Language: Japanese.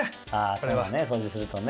そうだね掃除するとね。